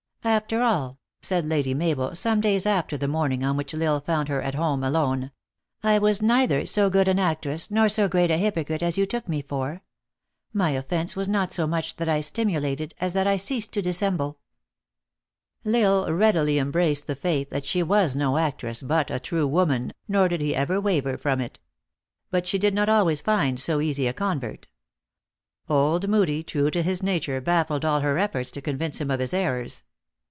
x ># ##*" After all," said Lady Mabel, some days after the THE ACTRESS IN HIGH LIFE. 415 morning on which L Isle found her at home alone, " I was neither so good an actress, nor so great a hypo crite as you took me for. My offence was not so much that I simulated, as that I ceased to dissemble." L Isle readily embraced the faith that she was no actress but a true woman, nor did he ever waver from it. But she did not always find so easy a convert. Old Moodie, true to his nature, baffled all her efforts to convince him of his errors.